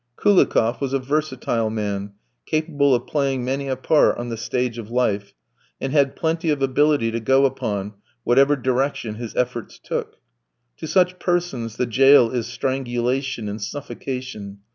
Koulikoff was a versatile man, capable of playing many a part on the stage of life, and had plenty of ability to go upon, whatever direction his efforts took. To such persons the jail is strangulation and suffocation.